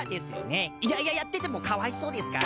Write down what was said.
いやいややっててもかわいそうですから。